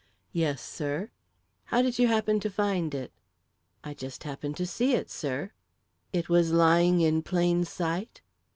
"Yes, sir." "How did you happen to find it?" "I just happened to see it, sir." "It was lying in plain sight?"